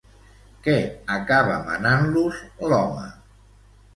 Què acaba manant-los, l'home?